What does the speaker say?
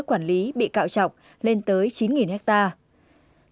quản lý bị cạo trọc lên tới chín hectare